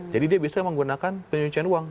jadi dia bisa menggunakan penyelidikan uang